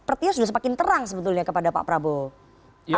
sepertinya sudah semakin terang sebetulnya kepada pak prabowo